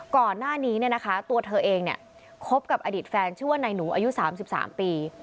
ก่อนหน้านี้ตัวเธอเองคบกับอดีตแฟนชื่อว่านายหนูอายุ๓๓ปี